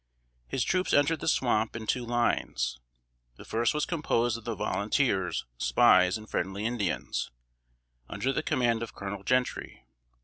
His troops entered the swamp in two lines. The first was composed of the volunteers, spies, and friendly Indians, under the command of Colonel Gentry.